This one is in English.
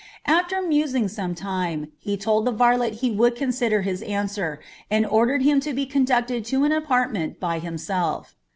After niuaini; some time, he told the varlet he would consider his antwer, ■nd ordered him to be conducted to an apartment by biniseir.